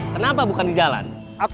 kenapa bukan di jalan